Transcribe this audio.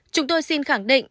chúng tôi xin khẳng định